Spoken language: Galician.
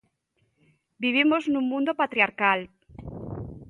Vivimos nun mundo patriarcal.